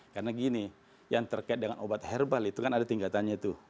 karena gini yang terkait dengan obat herbal itu kan ada tingkatannya itu